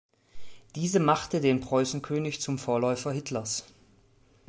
Diese machte den Preußenkönig zum Vorläufer Hitlers.